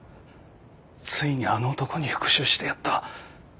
ついにあの男に復讐してやった。